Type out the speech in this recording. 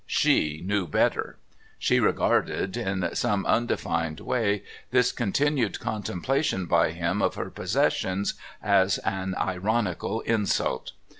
She knew better; she regarded, in some undefined way, this continued contemplation by him of her possessions as an ironical insult.